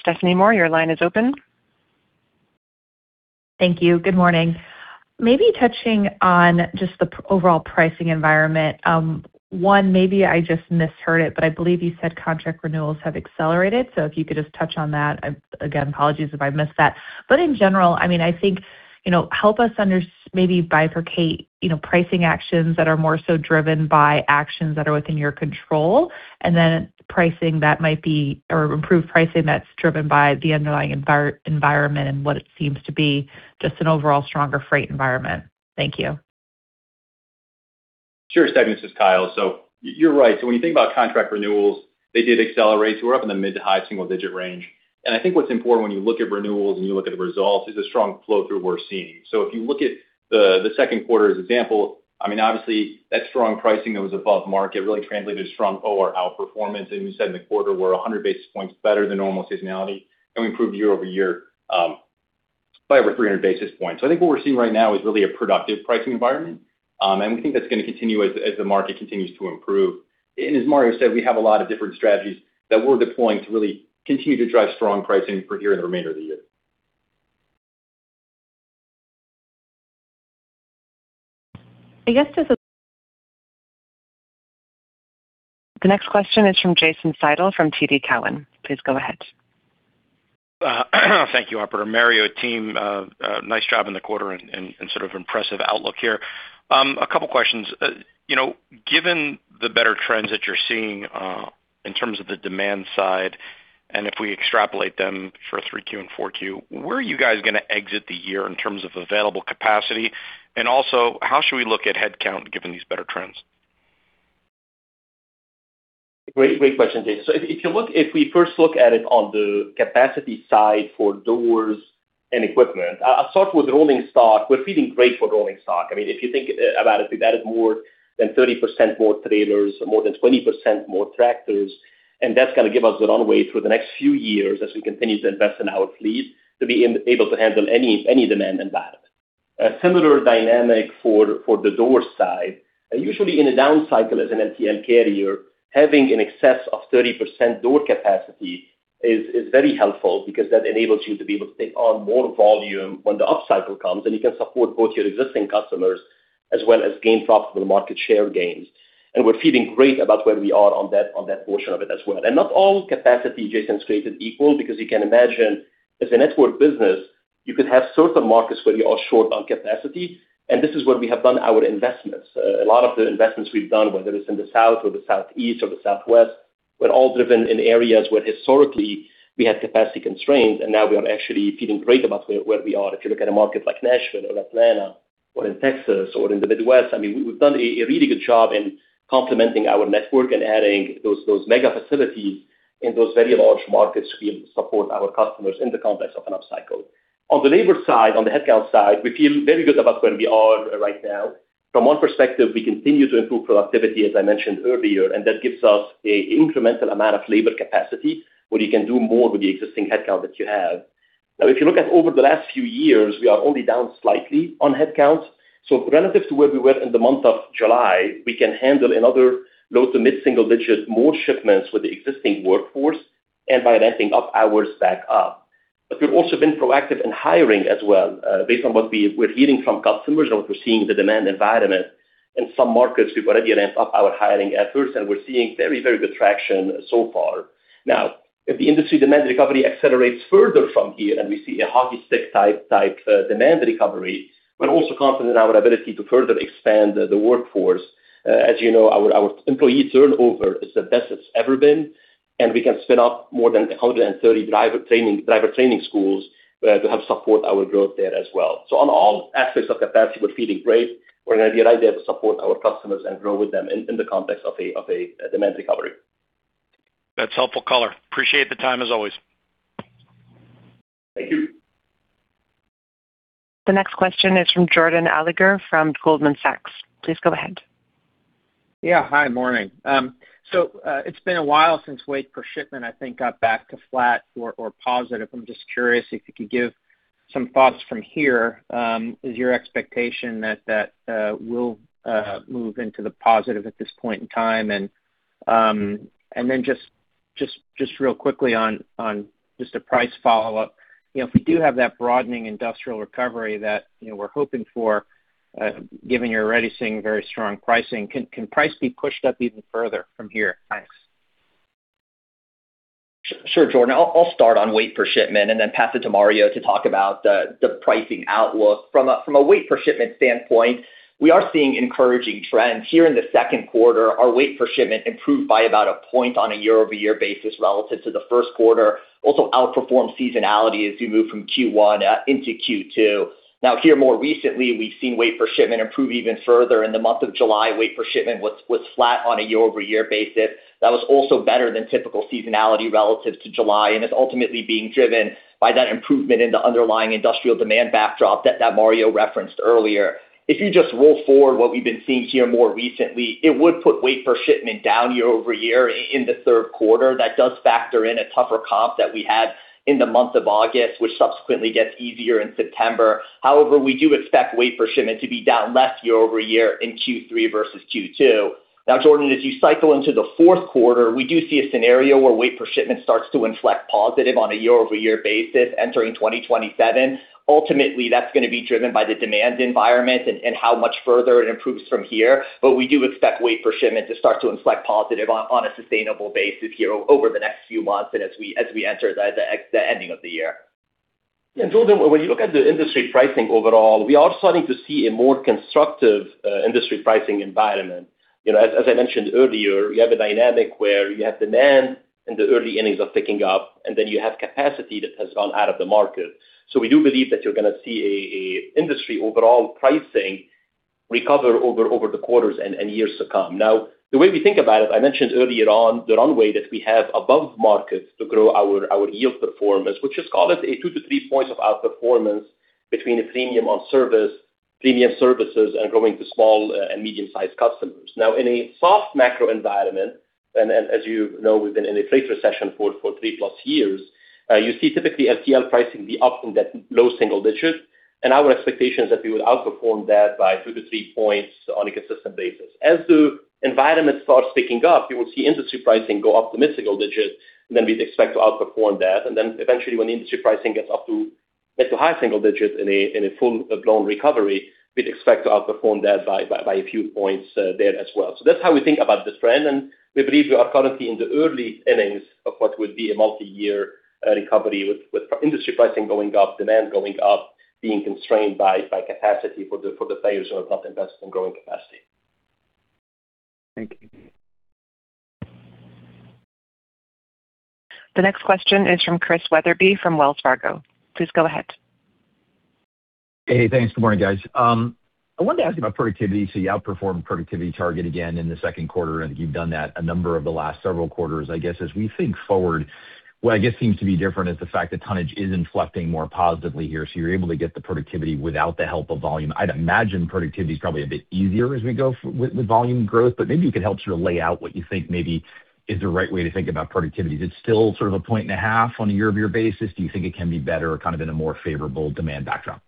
Stephanie Moore, your line is open. Thank you. Good morning. Maybe touching on just the overall pricing environment. One, maybe I just misheard it, but I believe you said contract renewals have accelerated. If you could just touch on that. Again, apologies if I missed that. In general, I think, help us maybe bifurcate pricing actions that are more so driven by actions that are within your control, and then pricing that might be, or improved pricing that's driven by the underlying environment and what it seems to be just an overall stronger freight environment. Thank you. Sure, Stephanie. This is Kyle. You're right. When you think about contract renewals, they did accelerate. We're up in the mid to high single digit range. I think what's important when you look at renewals and you look at the results, is the strong flow-through we're seeing. If you look at the second quarter as example, obviously that strong pricing that was above market really translated to strong OR outperformance. We said in the quarter we're 100 basis points better than normal seasonality, and we improved year-over-year by over 300 basis points. I think what we're seeing right now is really a productive pricing environment. We think that's going to continue as the market continues to improve. As Mario said, we have a lot of different strategies that we're deploying to really continue to drive strong pricing for here in the remainder of the year. The next question is from Jason Seidl from TD Cowen. Please go ahead. Thank you, Operator. Mario, team, nice job in the quarter and sort of impressive outlook here. A couple questions. Given the better trends that you're seeing in terms of the demand side, if we extrapolate them for 3Q and 4Q, where are you guys going to exit the year in terms of available capacity? Also, how should we look at headcount given these better trends? Great question, Jason. If we first look at it on the capacity side for doors and equipment. I'll start with rolling stock. We're feeling great for rolling stock. If you think about it, we've added more than 30% more trailers and more than 20% more tractors, and that's going to give us the runway through the next few years as we continue to invest in our fleet to be able to handle any demand environment. A similar dynamic for the door side. Usually in a down cycle as an LTL carrier, having in excess of 30% door capacity is very helpful because that enables you to be able to take on more volume when the up cycle comes, and you can support both your existing customers as well as gain profitable market share gains. We're feeling great about where we are on that portion of it as well. Not all capacity, Jason, is created equal because you can imagine as a network business, you could have certain markets where you are short on capacity, and this is where we have done our investments. A lot of the investments we've done, whether it's in the South or the Southeast or the Southwest, were all driven in areas where historically we had capacity constraints, and now we are actually feeling great about where we are. If you look at a market like Nashville or Atlanta or in Texas or in the Midwest, we've done a really good job in complementing our network and adding those mega facilities in those very large markets to be able to support our customers in the context of an up cycle. On the labor side, on the headcount side, we feel very good about where we are right now. From one perspective, we continue to improve productivity, as I mentioned earlier, that gives us an incremental amount of labor capacity where you can do more with the existing headcount that you have. If you look at over the last few years, we are only down slightly on headcounts. Relative to where we were in the month of July, we can handle another low to mid-single digits more shipments with the existing workforce and by ramping up hours back up. We've also been proactive in hiring as well. Based on what we're hearing from customers and what we're seeing in the demand environment, in some markets, we've already ramped up our hiring efforts, we're seeing very good traction so far. If the industry demand recovery accelerates further from here and we see a hockey stick type demand recovery, we're also confident in our ability to further expand the workforce. As you know, our employee turnover is the best it's ever been, and we can spin up more than 130 driver training schools to help support our growth there as well. On all aspects of capacity, we're feeling great. We're in a good idea to support our customers and grow with them in the context of a demand recovery. That's helpful color. Appreciate the time, as always. Thank you. The next question is from Jordan Alliger from Goldman Sachs. Please go ahead. Yeah. Hi. Morning. It's been a while since weight per shipment, I think, got back to flat or positive. I'm just curious if you could give some thoughts from here. Is your expectation that that will move into the positive at this point in time? Then just real quickly on just a price follow-up. If we do have that broadening industrial recovery that we're hoping for, given you're already seeing very strong pricing, can price be pushed up even further from here? Thanks. Sure, Jordan. I'll start on weight per shipment and then pass it to Mario to talk about the pricing outlook. From a weight per shipment standpoint, we are seeing encouraging trends. Here in the second quarter, our weight per shipment improved by about a point on a year-over-year basis relative to the first quarter. Also outperformed seasonality as we move from Q1 into Q2. Here more recently, we've seen weight per shipment improve even further. In the month of July, weight per shipment was flat on a year-over-year basis. That was also better than typical seasonality relative to July, and it's ultimately being driven by that improvement in the underlying industrial demand backdrop that Mario referenced earlier. If you just roll forward what we've been seeing here more recently, it would put weight per shipment down year-over-year in the third quarter. That does factor in a tougher comp that we had in the month of August, which subsequently gets easier in September. However, we do expect weight per shipment to be down less year-over-year in Q3 versus Q2. Jordan, as you cycle into the fourth quarter, we do see a scenario where weight per shipment starts to inflect positive on a year-over-year basis entering 2027. Ultimately, that's going to be driven by the demand environment and how much further it improves from here. We do expect weight per shipment to start to inflect positive on a sustainable basis here over the next few months and as we enter the ending of the year. Jordan, when you look at the industry pricing overall, we are starting to see a more constructive industry pricing environment. As I mentioned earlier, we have a dynamic where you have demand in the early innings of picking up, then you have capacity that has gone out of the market. We do believe that you're going to see an industry overall pricing recover over the quarters and years to come. Now, the way we think about it, I mentioned earlier on the runway that we have above market to grow our yield performance, which is, call it a two to three points of outperformance between a premium on premium services and growing to small and medium-sized customers. Now, in a soft macro environment, as you know, we've been in a freight recession for 3+ years, you see typically LTL pricing be up in that low single digits, and our expectation is that we would outperform that by two to three points on a consistent basis. As the environment starts picking up, you will see industry pricing go up to mid-single digits, then we'd expect to outperform that. Eventually, when the industry pricing gets up to high single digits in a full-blown recovery, we'd expect to outperform that by a few points there as well. That's how we think about this trend, and we believe we are currently in the early innings of what would be a multi-year recovery with industry pricing going up, demand going up, being constrained by capacity for the players who have not invested in growing capacity. Thank you. The next question is from Chris Wetherbee from Wells Fargo. Please go ahead. Hey, thanks. Good morning, guys. I wanted to ask about productivity. You outperformed productivity target again in the second quarter, and you've done that a number of the last several quarters. I guess as we think forward, what I guess seems to be different is the fact that tonnage is inflecting more positively here, so you're able to get the productivity without the help of volume. I'd imagine productivity is probably a bit easier as we go with the volume growth, but maybe you could help sort of lay out what you think maybe is the right way to think about productivity. Is it still sort of a point and a half on a year-over-year basis? Do you think it can be better or kind of in a more favorable demand backdrop?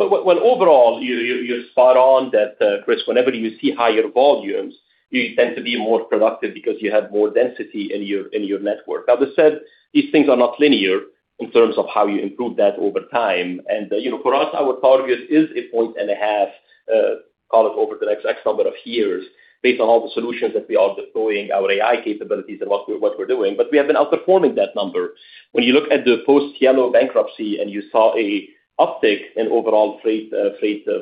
Well, overall, you're spot on that, Chris, whenever you see higher volumes, you tend to be more productive because you have more density in your network. Now, that said, these things are not linear in terms of how you improve that over time. For us, our target is a point and a half call it over the next X number of years based on all the solutions that we are deploying, our AI capabilities and what we're doing, but we have been outperforming that number. When you look at the post-Yellow bankruptcy and you saw a uptick in overall freight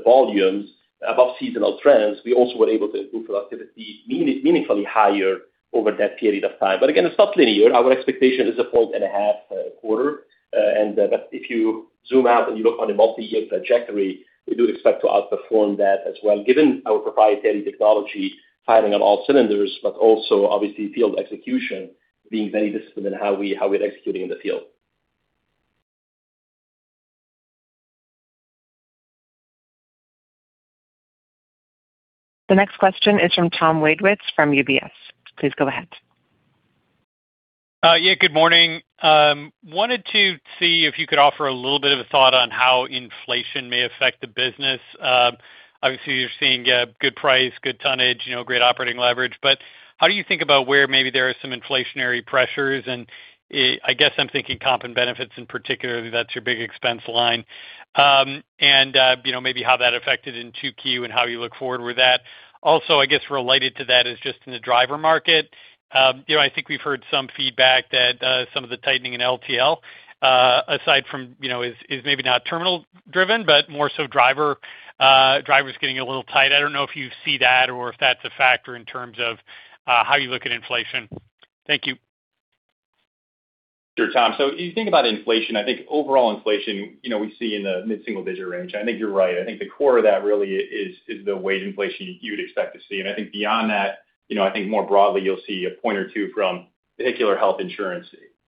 volumes above seasonal trends, we also were able to improve productivity meaningfully higher over that period of time. Again, it's not linear. Our expectation is a point and a half quarter. If you zoom out and you look on a multi-year trajectory, we do expect to outperform that as well, given our proprietary technology firing on all cylinders, but also obviously field execution being very disciplined in how we are executing in the field. The next question is from Tom Wadewitz from UBS. Please go ahead. Yeah, good morning. Wanted to see if you could offer a little bit of a thought on how inflation may affect the business. Obviously, you are seeing good price, good tonnage, great operating leverage. How do you think about where maybe there are some inflationary pressures and, I guess I am thinking comp and benefits in particular, that is your big expense line. Maybe how that affected in 2Q and how you look forward with that. Also, I guess related to that is just in the driver market. I think we have heard some feedback that some of the tightening in LTL, aside from is maybe not terminal driven, but more so drivers getting a little tight. I do not know if you see that or if that is a factor in terms of how you look at inflation. Thank you. Sure, Tom. If you think about inflation, I think overall inflation, we see in the mid-single digit range. I think you are right. I think the core of that really is the wage inflation you would expect to see. I think beyond that, I think more broadly, you will see a point or two from particular health insurance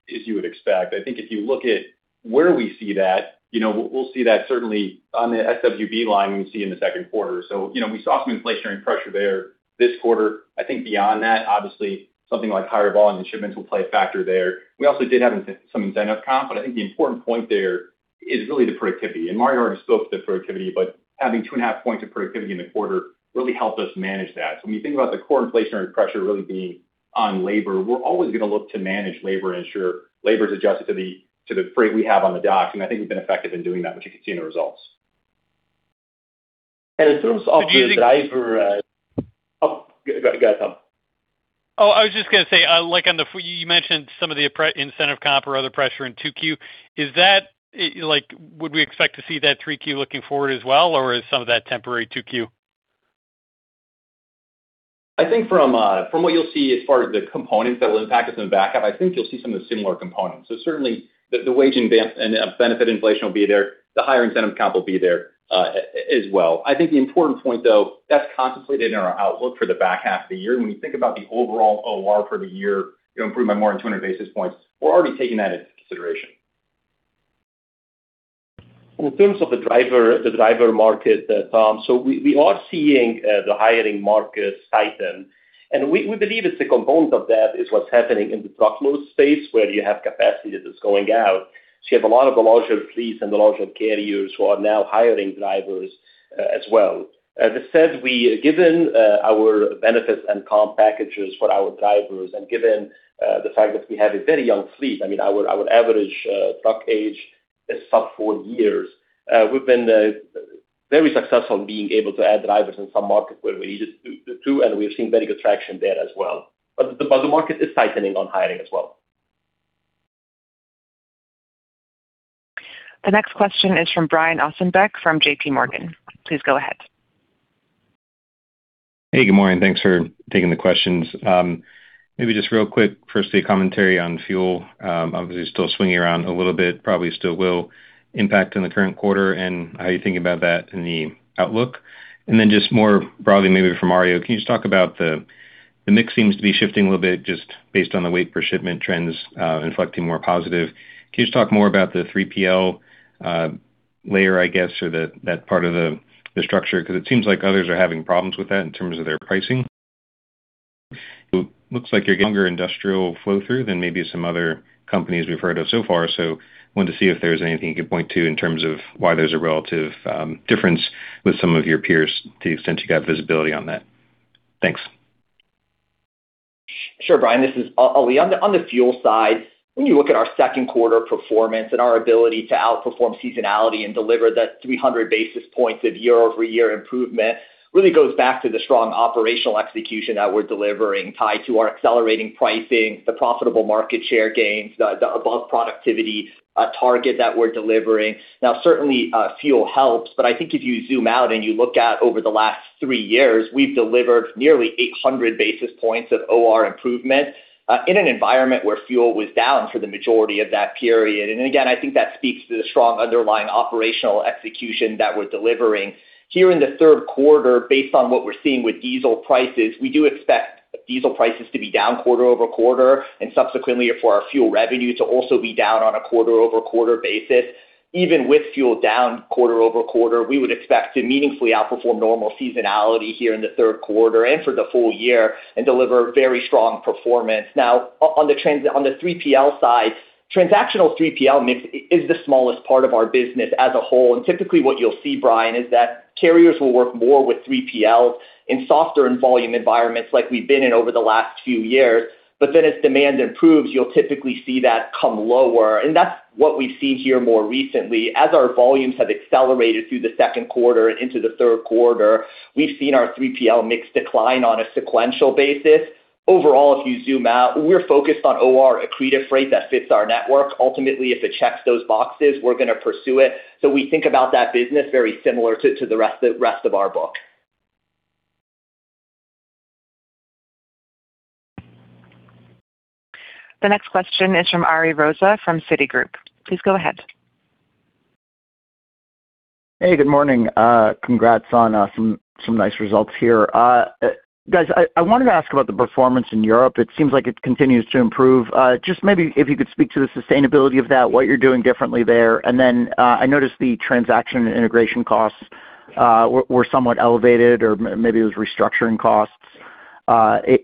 as you would expect. I think if you look at where we see that, we will see that certainly on the SWB line we see in the second quarter. We saw some inflationary pressure there this quarter. I think beyond that, obviously, something like higher volume shipments will play a factor there. We also did have some incentive comp, but I think the important point there is really the productivity. Mario already spoke to the productivity, but having 2.5 points of productivity in the quarter really helped us manage that. When you think about the core inflationary pressure really being on labor, we are always going to look to manage labor and ensure labor is adjusted to the freight we have on the dock. I think we have been effective in doing that, which you can see in the results. In terms of the driver, oh, go ahead, Tom. I was just going to say, you mentioned some of the incentive comp or other pressure in 2Q. Would we expect to see that 3Q looking forward as well, or is some of that temporary 2Q? I think from what you'll see as far as the components that will impact us in the back half, I think you'll see some of the similar components. Certainly, the wage advance and benefit inflation will be there. The higher incentive comp will be there as well. I think the important point, though, that's contemplated in our outlook for the back half of the year. When we think about the overall OR for the year, improving by more than 200 basis points, we're already taking that into consideration. In terms of the driver market, Tom, we are seeing the hiring market tighten, and we believe it's a component of that is what's happening in the truckload space where you have capacity that's going out. You have a lot of the larger fleets and the larger carriers who are now hiring drivers as well. As I said, given our benefits and comp packages for our drivers and given the fact that we have a very young fleet, I mean, our average truck age is sub four years. We've been very successful in being able to add drivers in some markets where we needed to, and we've seen very good traction there as well. The market is tightening on hiring as well. The next question is from Brian Ossenbeck from JPMorgan. Please go ahead. Hey, good morning. Thanks for taking the questions. Maybe just real quick, firstly, a commentary on fuel. Obviously still swinging around a little bit, probably still will impact in the current quarter and how you think about that in the outlook. Then just more broadly, maybe for Mario, can you just talk about the mix seems to be shifting a little bit just based on the weight per shipment trends inflecting more positive. Can you just talk more about the 3PL layer, I guess, or that part of the structure? Because it seems like others are having problems with that in terms of their pricing. Looks like you're getting industrial flow through than maybe some other companies we've heard of so far. Wanted to see if there's anything you could point to in terms of why there's a relative difference with some of your peers to the extent you got visibility on that. Thanks. Sure, Brian. This is Ali. On the fuel side, when you look at our second quarter performance and our ability to outperform seasonality and deliver that 300 basis points of year-over-year improvement, really goes back to the strong operational execution that we're delivering tied to our accelerating pricing, the profitable market share gains, the above productivity target that we're delivering. Certainly, fuel helps, but I think if you zoom out and you look at over the last three years, we've delivered nearly 800 basis points of OR improvement, in an environment where fuel was down for the majority of that period. Again, I think that speaks to the strong underlying operational execution that we're delivering. Here in the third quarter based on what we're seeing with diesel prices, we do expect diesel prices to be down quarter-over-quarter and subsequently for our fuel revenue to also be down on a quarter-over-quarter basis. Even with fuel down quarter-over-quarter, we would expect to meaningfully outperform normal seasonality here in the third quarter and for the full year and deliver very strong performance. On the 3PL side, transactional 3PL mix is the smallest part of our business as a whole, typically what you'll see, Brian, is that carriers will work more with 3PLs in softer and volume environments like we've been in over the last few years. Then as demand improves, you'll typically see that come lower. That's what we've seen here more recently. As our volumes have accelerated through the second quarter and into the third quarter, we've seen our 3PL mix decline on a sequential basis. Overall, if you zoom out, we're focused on OR accretive freight that fits our network. Ultimately, if it checks those boxes, we're going to pursue it. We think about that business very similar to the rest of our book. The next question is from Ari Rosa from Citigroup. Please go ahead. Hey, good morning. Congrats on some nice results here. Guys, I wanted to ask about the performance in Europe. It seems like it continues to improve. Just maybe if you could speak to the sustainability of that, what you're doing differently there. Then, I noticed the transaction and integration costs were somewhat elevated, or maybe it was restructuring costs,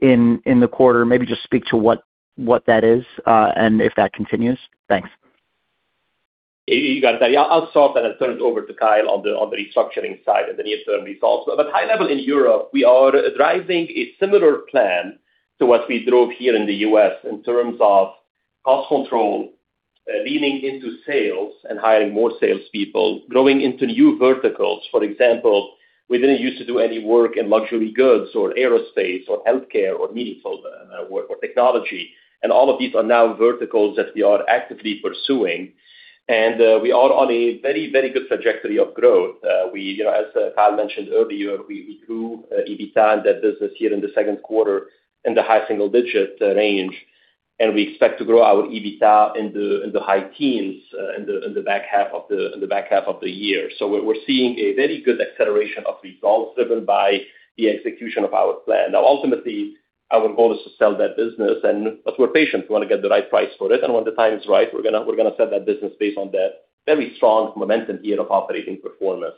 in the quarter. Maybe just speak to what that is, and if that continues. Thanks. You got it. I'll start that and turn it over to Kyle on the restructuring side, and then he has certain results. High level in Europe, we are driving a similar plan to what we drove here in the U.S. in terms of cost control, leaning into sales and hiring more salespeople, growing into new verticals. For example, we didn't used to do any work in luxury goods or aerospace or healthcare or meaningful work or technology. All of these are now verticals that we are actively pursuing. We are on a very good trajectory of growth. As Kyle mentioned earlier, we grew EBITDA in that business here in the second quarter in the high single-digit range, and we expect to grow our EBITDA in the high teens in the back half of the year. We're seeing a very good acceleration of results driven by the execution of our plan. Ultimately, our goal is to sell that business, and that's we're patient. We want to get the right price for it. When the time is right, we're going to sell that business based on that very strong momentum here of operating performance.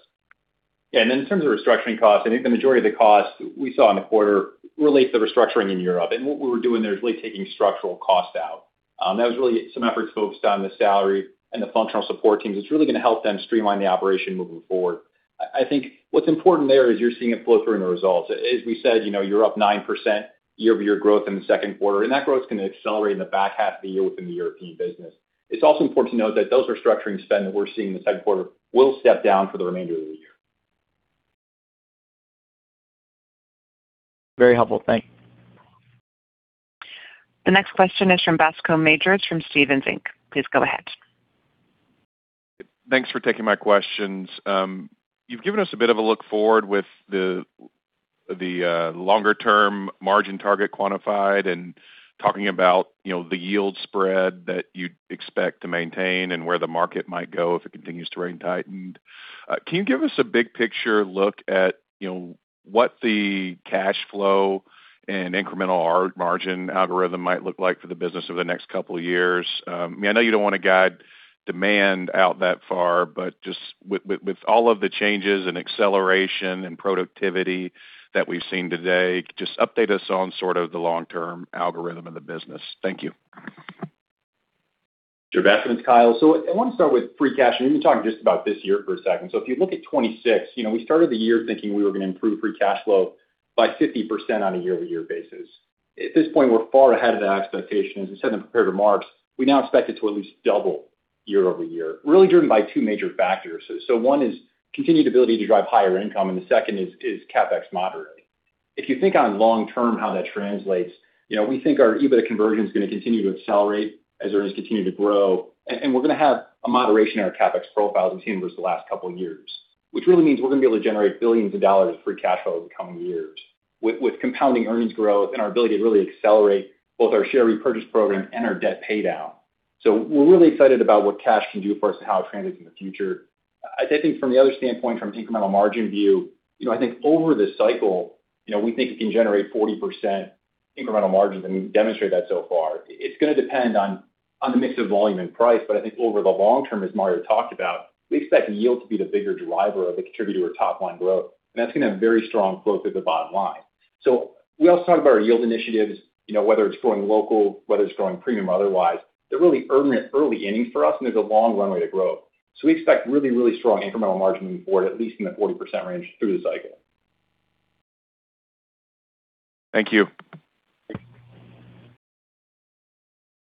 Yeah. In terms of restructuring costs, I think the majority of the costs we saw in the quarter relate to restructuring in Europe. What we were doing there is really taking structural costs out. That was really some efforts focused on the salary and the functional support teams. It's really going to help them streamline the operation moving forward. I think what's important there is you're seeing it flow through in the results. As we said, you're up 9% year-over-year growth in the second quarter, and that growth is going to accelerate in the back half of the year within the European business. It's also important to note that those restructuring spend that we're seeing this quarter will step down for the remainder of the year. Very helpful. Thank you. The next question is from Bascome Majors from Stephens Inc. Please go ahead. Thanks for taking my questions. You've given us a bit of a look forward with the longer-term margin target quantified and talking about the yield spread that you'd expect to maintain and where the market might go if it continues to remain tightened. Can you give us a big picture look at what the cash flow and incremental margin algorithm might look like for the business over the next couple of years? I know you don't want to guide demand out that far, but just with all of the changes in acceleration and productivity that we've seen today, just update us on sort of the long-term algorithm in the business. Thank you. Sure, Bascome. It's Kyle. I want to start with free cash, and you can talk just about this year for a second. If you look at 2026, we started the year thinking we were going to improve free cash flow by 50% on a year-over-year basis. At this point, we're far ahead of the expectations. As I said in the prepared remarks, we now expect it to at least double year-over-year, really driven by two major factors. One is continued ability to drive higher income, and the second is CapEx moderating. If you think on long term how that translates, we think our EBITDA conversion is going to continue to accelerate as earnings continue to grow. We're going to have a moderation in our CapEx profile than we've seen versus the last couple of years, which really means we're going to be able to generate billions of dollars of free cash flow over the coming years with compounding earnings growth and our ability to really accelerate both our share repurchase program and our debt paydown. We're really excited about what cash can do for us and how it translates in the future. I think from the other standpoint, from incremental margin view, I think over the cycle, we think it can generate 40% incremental margins, and we've demonstrated that so far. It's going to depend on the mix of volume and price. I think over the long-term, as Mario talked about, we expect yield to be the bigger driver of the contributor to top-line growth, and that's going to have very strong flow through the bottom line. We also talked about our yield initiatives, whether it's growing local, whether it's growing premium or otherwise. They're really early innings for us, and there's a long runway to grow. We expect really strong incremental margin moving forward, at least in the 40% range through the cycle. Thank you.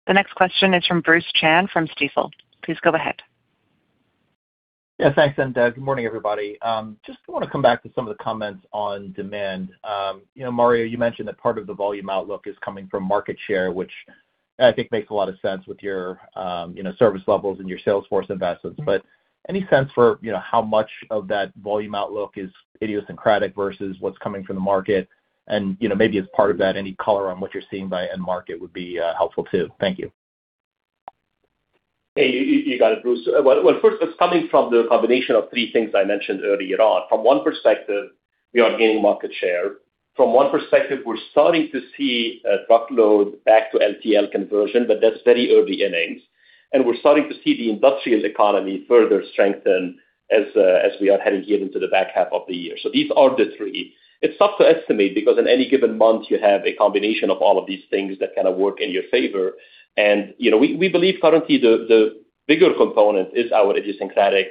The next question is from Bruce Chan from Stifel. Please go ahead. Yeah, thanks. Good morning, everybody. Just want to come back to some of the comments on demand. Mario, you mentioned that part of the volume outlook is coming from market share, which I think makes a lot of sense with your service levels and your sales force investments. Any sense for how much of that volume outlook is idiosyncratic versus what's coming from the market? Maybe as part of that, any color on what you're seeing by end market would be helpful too. Thank you. Hey, you got it, Bruce. Well, first it's coming from the combination of three things I mentioned earlier on. From one perspective, we are gaining market share. From one perspective, we're starting to see a truckload back to LTL conversion, that's very early innings. We're starting to see the industrial economy further strengthen as we are heading here into the back half of the year. These are the three. It's tough to estimate because in any given month, you have a combination of all of these things that kind of work in your favor. We believe currently the bigger component is our idiosyncratic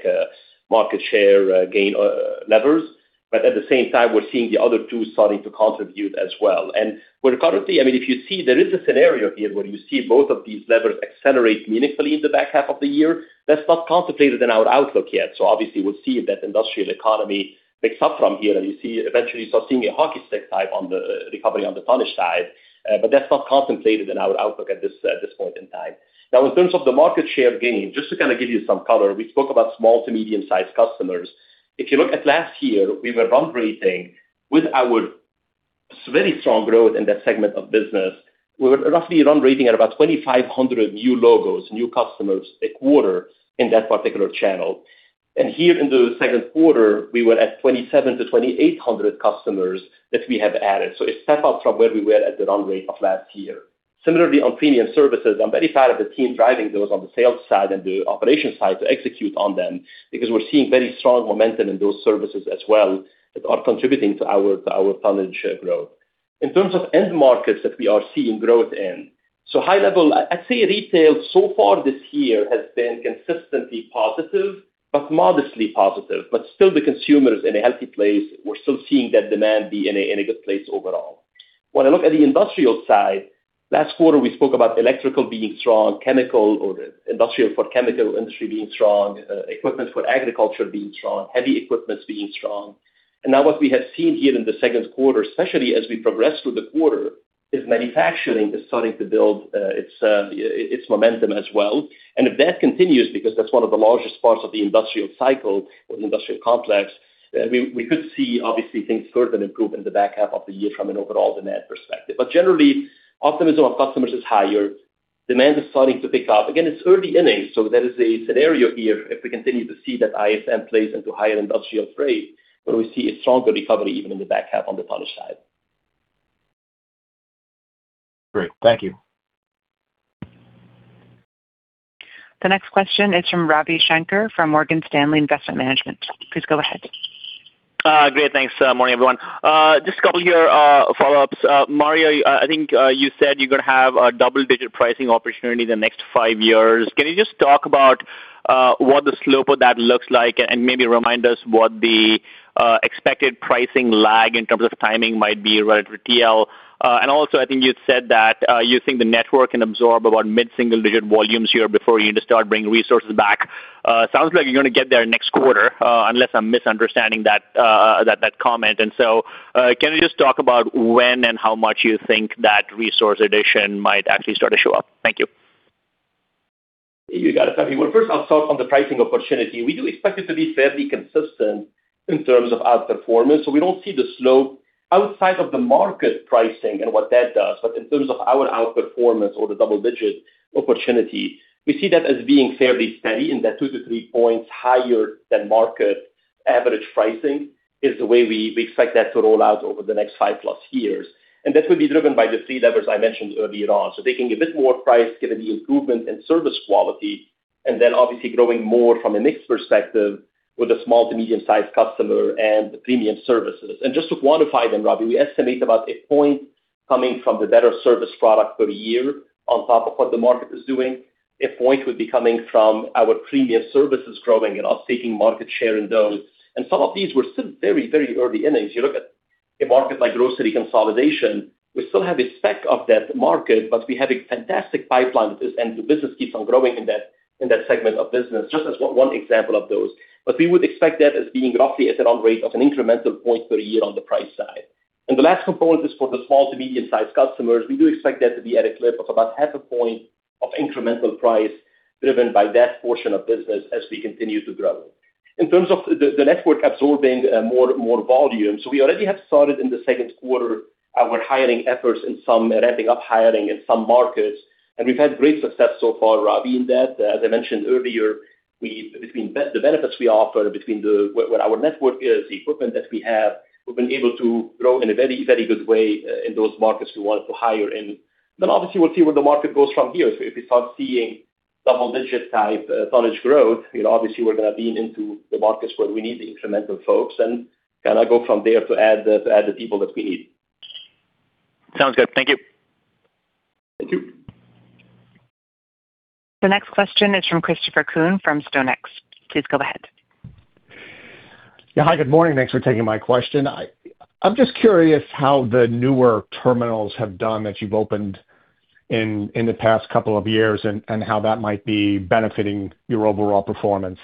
market share gain levers. At the same time, we're seeing the other two starting to contribute as well. Currently, if you see there is a scenario here where you see both of these levers accelerate meaningfully in the back half of the year, that's not contemplated in our outlook yet. Obviously, we'll see if that industrial economy picks up from here and you eventually start seeing a hockey stick type on the recovery on the tonnage side. That's not contemplated in our outlook at this point in time. In terms of the market share gain, just to kind of give you some color, we spoke about small to medium-sized customers. If you look at last year, we were run rating with our very strong growth in that segment of business. We were roughly run rating at about 2,500 new logos, new customers a quarter in that particular channel. Here in the second quarter, we were at 2,700-2,800 customers that we have added. A step up from where we were at the run rate of last year. Similarly, on premium services, I'm very proud of the team driving those on the sales side and the operation side to execute on them because we're seeing very strong momentum in those services as well that are contributing to our tonnage growth. In terms of end markets that we are seeing growth in. High level, I'd say retail so far this year has been consistently positive, but modestly positive. Still the consumer is in a healthy place. We're still seeing that demand be in a good place overall. When I look at the industrial side, last quarter we spoke about electrical being strong, chemical or industrial for chemical industry being strong, equipment for agriculture being strong, heavy equipment being strong. Now what we have seen here in the second quarter, especially as we progress through the quarter, is manufacturing is starting to build its momentum as well. If that continues, because that's one of the largest parts of the industrial cycle or the industrial complex, we could see obviously things further improve in the back half of the year from an overall demand perspective. Generally, optimism of customers is higher. Demand is starting to pick up. Again, it's early innings, there is a scenario here if we continue to see that ISM plays into higher industrial freight, where we see a stronger recovery even in the back half on the tonnage side. Great. Thank you. The next question is from Ravi Shanker from Morgan Stanley Investment Management. Please go ahead. Great. Thanks. Morning, everyone. Just a couple here, follow-ups. Mario, I think you said you're going to have a double-digit pricing opportunity in the next five years. Can you just talk about what the slope of that looks like and maybe remind us what the expected pricing lag in terms of timing might be relative to TL? Also, I think you said that you think the network can absorb about mid-single digit volumes here before you need to start bringing resources back. Sounds like you're going to get there next quarter. Unless I'm misunderstanding that comment. Can you just talk about when and how much you think that resource addition might actually start to show up? Thank you. You got it, Ravi. First I'll start on the pricing opportunity. We do expect it to be fairly consistent in terms of outperformance. We don't see the slope outside of the market pricing and what that does. In terms of our outperformance or the double-digit opportunity, we see that as being fairly steady and that two to three points higher than market average pricing is the way we expect that to roll out over the next 5+ years. That will be driven by the three levers I mentioned earlier on. Taking a bit more price, given the improvement in service quality, obviously growing more from a mix perspective with the small to medium-sized customer and the premium services. Just to quantify them, Ravi, we estimate about a point coming from the better service product per year on top of what the market is doing. A point would be coming from our premium services growing and us taking market share in those. Some of these, we're still very early innings. You look at a market like grocery consolidation, we still have a speck of that market, but we have a fantastic pipeline with this, and the business keeps on growing in that segment of business, just as one example of those. We would expect that as being roughly at a run rate of an incremental point per year on the price side. The last component is for the small to medium-sized customers. We do expect that to be at a clip of about half a point of incremental price driven by that portion of business as we continue to grow in terms of the network absorbing more volume. We already have started in the second quarter our hiring efforts and ramping up hiring in some markets, and we've had great success so far, Ravi, in that. As I mentioned earlier, between the benefits we offer, between what our network is, the equipment that we have, we've been able to grow in a very good way in those markets we want to hire in. Obviously, we'll see where the market goes from here. If we start seeing double-digit type tonnage growth, obviously we're going to lean into the markets where we need the incremental folks and kind of go from there to add the people that we need. Sounds good. Thank you. Thank you. The next question is from Christopher Kuhn from StoneX. Please go ahead. Yeah. Hi, good morning. Thanks for taking my question. I'm just curious how the newer terminals have done that you've opened in the past couple of years and how that might be benefiting your overall performance?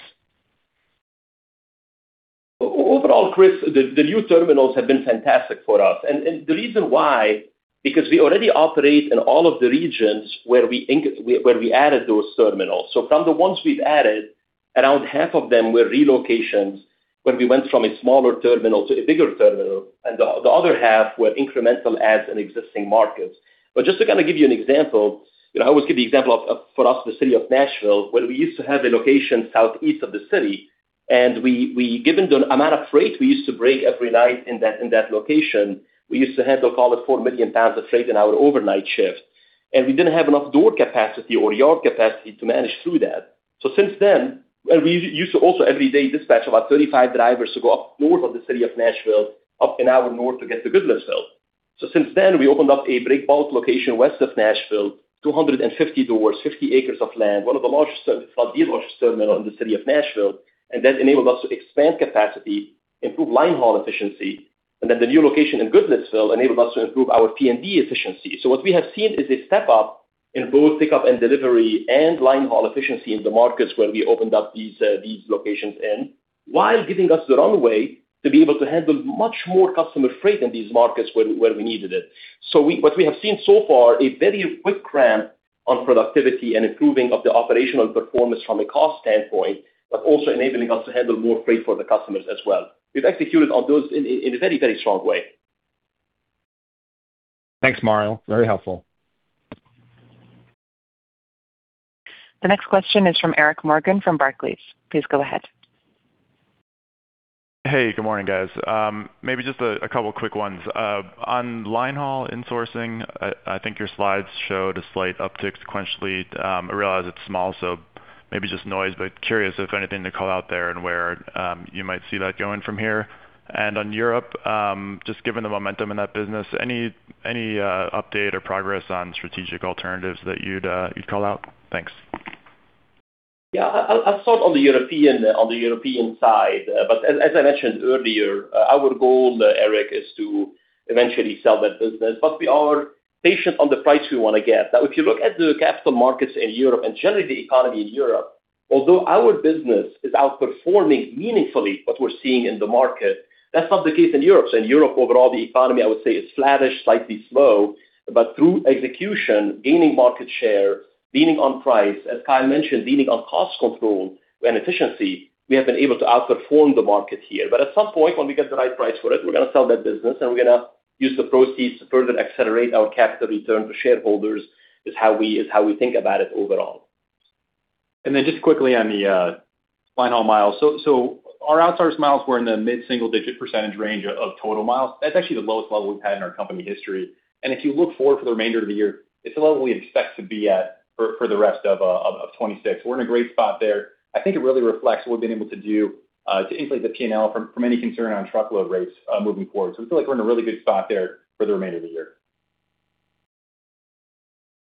Overall, Chris, the new terminals have been fantastic for us. The reason why, because we already operate in all of the regions where we added those terminals. From the ones we've added, around half of them were relocations When we went from a smaller terminal to a bigger terminal, the other half were incremental adds in existing markets. Just to kind of give you an example, I always give the example of, for us, the city of Nashville, where we used to have a location southeast of the city. Given the amount of freight we used to break every night in that location, we used to handle, call it, 4 million pounds of freight an hour overnight shift, and we didn't have enough door capacity or yard capacity to manage through that. Since then, we used to also, every day, dispatch about 35 drivers to go up north of the city of Nashville, up an hour north to get to Goodlettsville. Since then, we opened up a break bulk location west of Nashville, 250 doors, 50 acres of land, one of the largest terminals in the city of Nashville. That enabled us to expand capacity, improve line haul efficiency, and then the new location in Goodlettsville enabled us to improve our P&D efficiency. What we have seen is a step-up in both pickup and delivery and line haul efficiency in the markets where we opened up these locations in, while giving us the runway to be able to handle much more customer freight in these markets where we needed it. What we have seen so far, a very quick ramp on productivity and improving of the operational performance from a cost standpoint, but also enabling us to handle more freight for the customers as well. We've executed on those in a very strong way. Thanks, Mario. Very helpful. The next question is from Eric Morgan from Barclays. Please go ahead. Hey, good morning, guys. Maybe just a couple of quick ones. On line haul insourcing, I think your slides showed a slight uptick sequentially. I realize it's small, so maybe just noise, but curious if anything to call out there and where you might see that going from here. On Europe, just given the momentum in that business, any update or progress on strategic alternatives that you'd call out? Thanks. Yeah. I'll start on the European side. As I mentioned earlier, our goal, Eric, is to eventually sell that business. We are patient on the price we want to get. If you look at the capital markets in Europe and generally the economy in Europe, although our business is outperforming meaningfully, what we're seeing in the market, that's not the case in Europe. In Europe overall, the economy, I would say, is flattish, slightly slow. Through execution, gaining market share, leaning on price, as Kyle mentioned, leaning on cost control and efficiency, we have been able to outperform the market here. At some point, when we get the right price for it, we're going to sell that business, and we're going to use the proceeds to further accelerate our capital return to shareholders, is how we think about it overall. Just quickly on the line haul miles. Our outsourced miles were in the mid-single digit percentage range of total miles. That's actually the lowest level we've had in our company history. If you look forward for the remainder of the year, it's a level we expect to be at for the rest of 2026. We're in a great spot there. I think it really reflects what we've been able to do to inflate the P&L from any concern on truckload rates moving forward. We feel like we're in a really good spot there for the remainder of the year.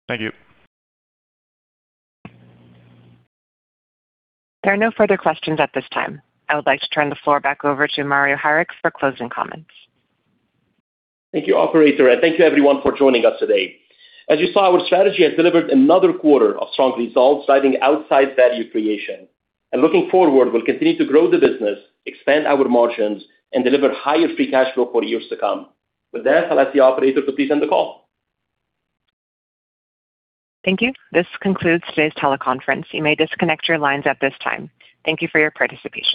Thank you. There are no further questions at this time. I would like to turn the floor back over to Mario Harik for closing comments. Thank you, Operator. Thank you everyone for joining us today. As you saw, our strategy has delivered another quarter of strong results, driving outsized value creation. Looking forward, we'll continue to grow the business, expand our margins, and deliver higher free cash flow for years to come. With that, I'll ask the Operator to please end the call. Thank you. This concludes today's teleconference. You may disconnect your lines at this time. Thank you for your participation.